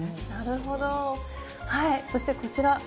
はいそしてこちら。